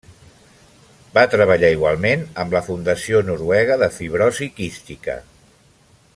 Va treballar igualment amb la Fundació Noruega de Fibrosi Quística.